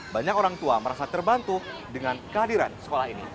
banyak orang tua merasa terbantu dengan kehadiran sekolah ini